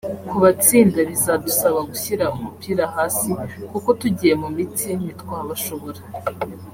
kubatsinda bizadusaba gushyira umupira hasi kuko tugiye mu mitsi ntitwabashobora”